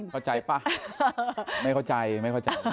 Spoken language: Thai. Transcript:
เข้าใจป่ะไม่เข้าใจไม่เข้าใจ